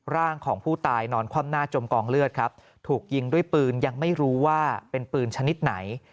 ร่างของผู้ตายนอนคว่ำหน้าจมกองเลือดครับถูกยิงด้วยปืนยังไม่รู้ว่าเป็นปืนชนิดไหน